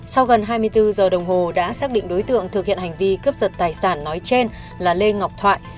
sau gần hai mươi bốn giờ đồng hồ đã xác định đối tượng thực hiện hành vi cướp giật tài sản nói trên là lê ngọc thoại